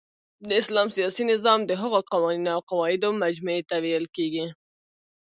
د اسلام سیاسی نظام د هغو قوانینو اوقواعدو مجموعی ته ویل کیږی